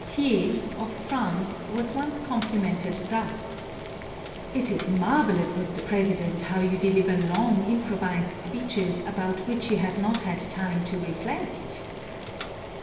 Thiers, of France, was once complimented thus: "It is marvelous, Mr. President, how you deliver long improvised speeches about which you have not had time to reflect."